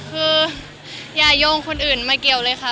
คืออย่าโยงคนอื่นมาเกี่ยวเลยค่ะ